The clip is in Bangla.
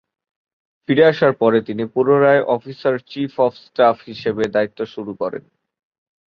ফিরে আসার পরে তিনি পুনরায় অফিসার চিফ অব স্টাফ হিসেবে দায়িত্ব শুরু করেন।